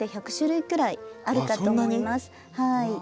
はい。